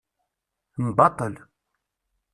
Mbaṭel.